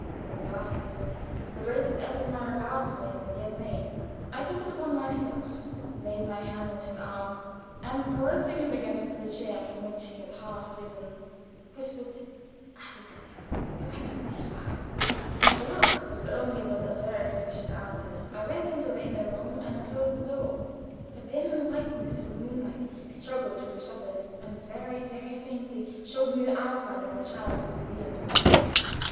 With a vast effort the greatest my regard for him had yet made I took it upon myself, laid my hand on his arm, and coercing him again into the chair from which he had half risen, whispered: "I will tell him. You can not. Nicht wahr?" A look was the only, but a very sufficient answer. I went into the inner room and closed the door. A dim whiteness of moonlight struggled through the shutters, and very, very faintly showed me the outline of the child who was dear to me.